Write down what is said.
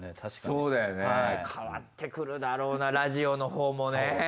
そうだよね変わってくるだろうなラジオのほうもね。